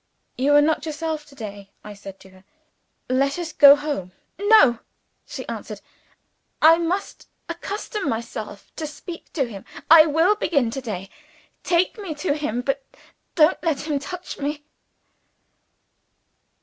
"You are not yourself to day," I said to her. "Let us go home." "No!" she answered. "I must accustom myself to speak to him. I will begin to day. Take me to him but don't let him touch me!"